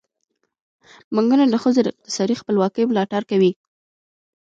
بانکونه د ښځو د اقتصادي خپلواکۍ ملاتړ کوي.